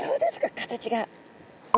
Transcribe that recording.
形が。